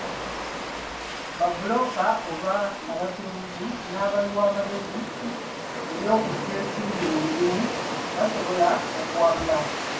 Ba bbulooka oba abasuubuzi n'abawi b'amagezi ku by'okussa ensimbi mu mirimu basobola okuwabula.